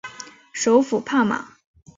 首府帕马。